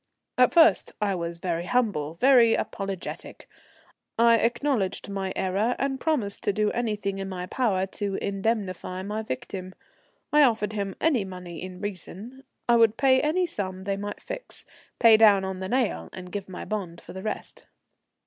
At first I was very humble, very apologetic. I acknowledged my error, and promised to do anything in my power to indemnify my victim. I offered him any money in reason, I would pay any sum they might fix, pay down on the nail and give my bond for the rest.